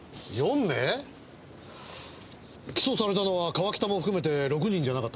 起訴されたのは川北も含めて６人じゃなかったか？